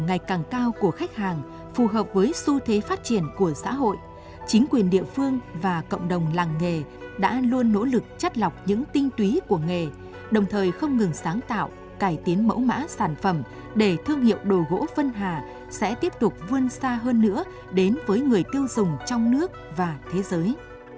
ngoài càng cao của khách hàng phù hợp với xu thế phát triển của xã hội chính quyền địa phương và cộng đồng làng nghề đã luôn nỗ lực chắt lọc những tinh túy của nghề đồng thời không ngừng sáng tạo cải tiến mẫu mã sản phẩm để thương hiệu đồ gỗ vân hà sẽ tiếp tục vươn xa hơn nữa đến với người tiêu dùng trong nước và thế giới